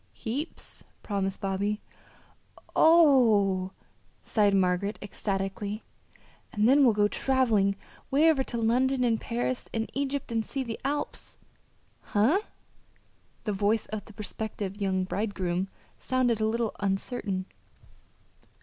"Heaps!" promised Bobby. "Oh h!" sighed Margaret ecstatically. "And then we'll go traveling 'way over to London and Paris and Egypt and see the Alps." "Huh?" The voice of the prospective young bridegroom sounded a little uncertain.